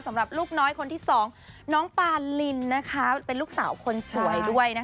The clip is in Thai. สำหรับลูกน้อยคนที่๒น้องปาลินเป็นลูกสาวคนสวยด้วยนะคะ